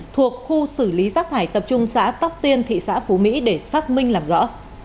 thuộc khu xử lý rác thải tập trung xã tóc tiên thị xã phú mỹ để xác minh làm rõ